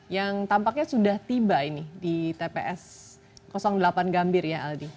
yang tampaknya sudah tiba ini di tps delapan gambir ya aldi